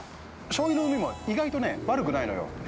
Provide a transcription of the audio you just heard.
◆しょうゆの海も、意外と悪くないのよ。